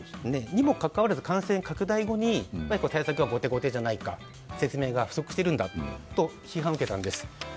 にもかかわらず、感染拡大後に対策が後手後手じゃないか説明が不足しているんだと批判を受けたんです。